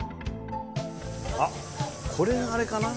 あっこれがあれかな？